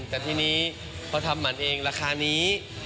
แต่ทีนี้พอทำหมั่นเองราคานี้